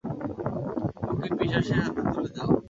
ওকে পিশাচের হাতে তুলে দাও!